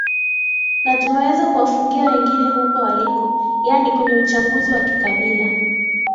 natumeweza kuwafungia wengine huko waliko yaani kwenye uchanguzi wa kikabila